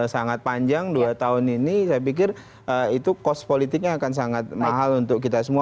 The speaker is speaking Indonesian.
sangat panjang dua tahun ini saya pikir itu kos politiknya akan sangat mahal untuk kita semua